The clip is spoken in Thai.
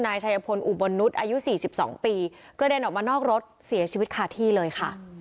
นายชัยพลอุบลนุษย์อายุ๔๒ปีกระเด็นออกมานอกรถเสียชีวิตคาที่เลยค่ะ